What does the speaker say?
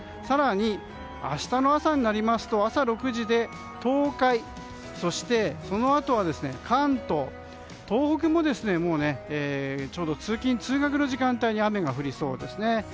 更に、明日の朝になりますと朝６時で東海、そしてそのあとは関東、東北もちょうど通勤・通学の時間帯に雨が降りそうですね。